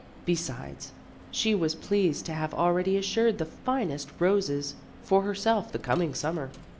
Besides, she was pleased to have already assured the finest roses for herself the coming Summer.